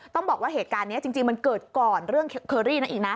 ต้องบอกว่าเหตุการณ์นี้จริงมันเกิดก่อนเรื่องเคอรี่นั้นอีกนะ